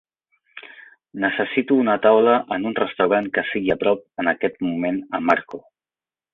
necessito una taula en un restaurant que sigui a prop en aquest moment a Marco